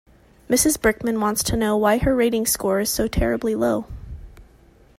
Mrs Brickman wants to know why her rating score is so terribly low.